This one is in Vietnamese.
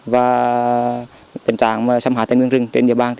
và tình trạng xâm hạ tên nguyên rừng trên địa bàn